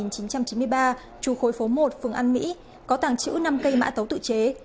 trù khối phố một phường an mỹ có tàng chữ năm cây mã tấu tự chế